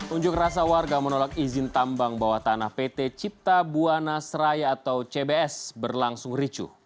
unjuk rasa warga menolak izin tambang bawah tanah pt cipta buana seraya atau cbs berlangsung ricu